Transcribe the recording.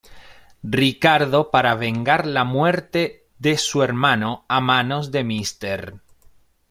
Ricardo para vengar la muerte de su hermano a manos de Mr.